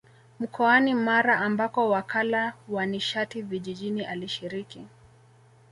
Mkoani Mara ambako Wakala wa Nishati Vijijini alishiriki